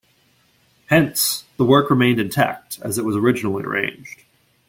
Hence, the work remained intact as it was originally arranged.